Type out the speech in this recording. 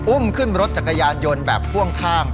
อุ้มขึ้นรถจักรยานยนต์แบบพ่วงข้าง